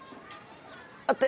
あっ！って